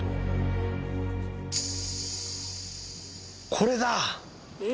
これだ！